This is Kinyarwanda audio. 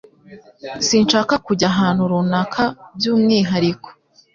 Sinshaka kujya ahantu runaka byumwihariko